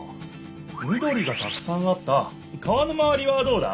みどりがたくさんあった川のまわりはどうだ？